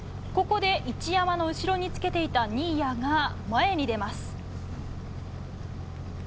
ここで一山の後ろにつけていた新谷が前に出ます。